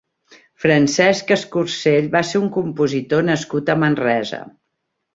Francesc Escorsell va ser un compositor nascut a Manresa.